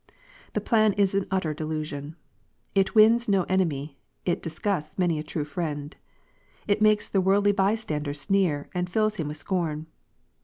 The plan is an utter delusion. It wins no enemy : it disgusts many a true friend. It makes the worldly bystander sneer, and fills him with scorn.